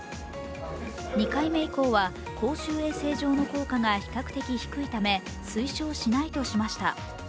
２回目以降は、公衆衛生上の効果が比較的低いため推奨しないとしました。